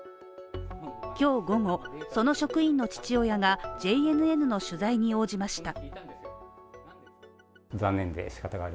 今日午後、その職員の父親がＪＮＮの取材に応じました。